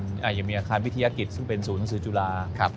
อย่างมีอาคารวิทยากิจซึ่งเป็นศูนย์หนังสือจุฬา